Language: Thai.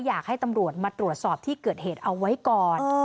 อยากให้ตำรวจมาตรวจสอบที่เกิดเหตุเอาไว้ก่อน